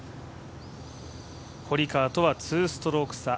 堀川とは２ストローク差